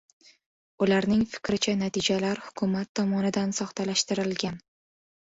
ularning fikricha, natijalar hukumat tomonidan soxtalashtirilgan